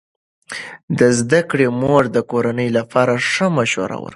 د زده کړې مور د کورنۍ لپاره ښه مشوره ورکوي.